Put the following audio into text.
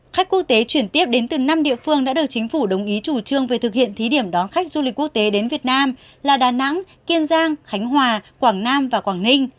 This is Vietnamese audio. khách quốc tế chuyển tiếp đến từ năm địa phương đã được chính phủ đồng ý chủ trương về thực hiện thí điểm đón khách du lịch quốc tế đến việt nam là đà nẵng kiên giang khánh hòa quảng nam và quảng ninh